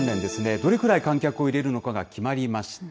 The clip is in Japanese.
どれくらい観客を入れるのかが決まりました。